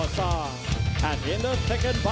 สวัสดีทุกคน